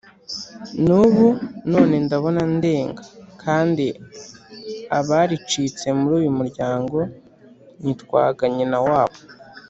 n’ubu None ndabona ndenga Kandi abaricitse Muri uyu muryango Nitwaga nyina wabo!